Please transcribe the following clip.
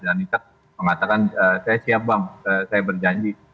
dan richard mengatakan saya siap bang saya berjanji